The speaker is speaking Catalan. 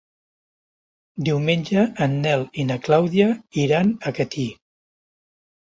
Diumenge en Nel i na Clàudia iran a Catí.